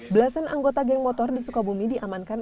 belasan anggota geng motor di sukabumi diamankan